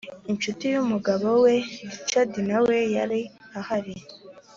inshuti y'umugabo we richards nawe yari ahari,